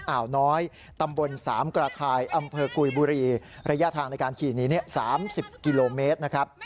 อ่าวน้อยตำบลสามกระทายอำเภอกุยบุรีระยะทางในการขี่หนี๓๐กิโลเมตรนะครับ